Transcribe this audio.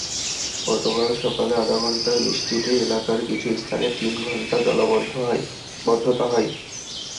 গতকাল সকালে আধা ঘণ্টার বৃষ্টিতেই এলাকার কিছু স্থানে তিন ঘণ্টা জলাবদ্ধতা হয়।